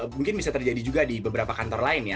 mungkin bisa terjadi juga di beberapa kantor lain ya